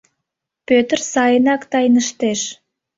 Пӧтыр сайынак тайныштеш.